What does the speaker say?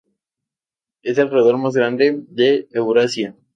Es el roedor más grande de Eurasia.